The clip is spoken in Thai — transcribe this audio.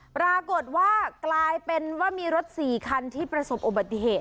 ปรากฏว่ากลายเป็นว่ามีรถ๔คันที่ประสบอุบัติเหตุ